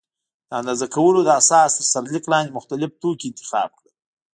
د اندازه کولو د اساس تر سرلیک لاندې مختلف توکي انتخاب کړل.